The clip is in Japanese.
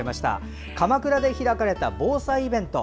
鎌倉で開かれた防災イベント。